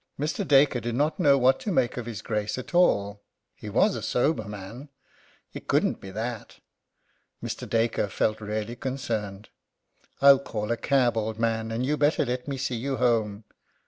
Mr. Dacre did not know what to make of his Grace at all. He was a sober man it couldn't be that! Mr. Dacre felt really concerned. "I'll call a cab, old man, and you'd better let me see you home."